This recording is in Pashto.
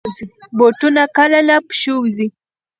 بوټونه کله له پښو وځي.